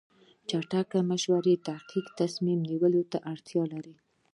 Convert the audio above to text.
چټک مشورې دقیق تصمیم نیولو ته اړتیا لري.